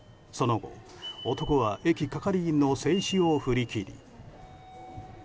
その後男は駅係員の制止を振り切り。